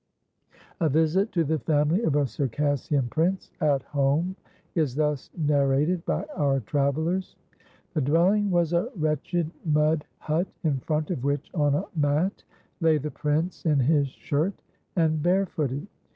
A visit to the family of a Circassian prince "at home" is thus narrated by our travellers: The dwelling was a wretched mud hut, in front of which, on a mat, lay the prince in his shirt, and barefooted.